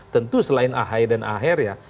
tentu selain ahai dan ahher ya